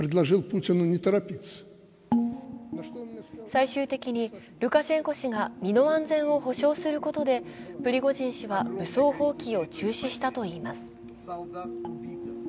最終的にルカシェンコ氏が身の安全を保障することでプリゴジン氏は武装蜂起を中止したといいます。